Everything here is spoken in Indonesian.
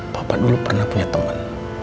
papa dulu pernah punya teman